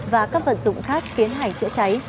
và các vật dụng khác tiến hành chữa cháy